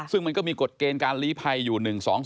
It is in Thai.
ซึ่งมันก็มีกฎเกณฑ์การลีภัยอยู่๑๒๒